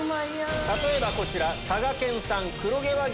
例えばこちら。